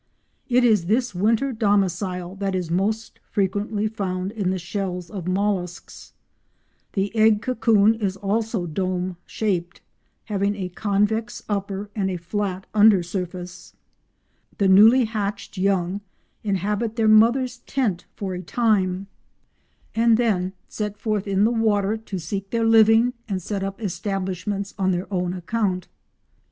It is this winter domicile that is most frequently found in the shells of molluscs. The egg cocoon is also dome shaped, having a convex upper and a flat under surface. The newly hatched young inhabit their mother's tent for a time and then set forth in the water to seek their living and set up establishments on their own account.